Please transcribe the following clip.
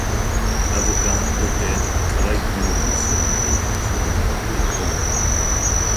Avocat, notaire, il travaille pendant toute sa vie à l'écriture de trois courts romans.